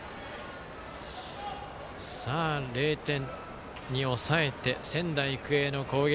０点に抑えて、仙台育英の攻撃。